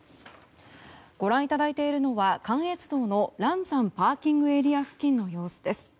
ご覧いただいているのは関越道の嵐山ＰＡ付近の様子です。